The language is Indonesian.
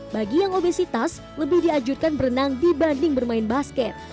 bagi yang obesitas lebih dianjurkan berenang dibanding bermain basket